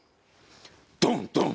ドンドン！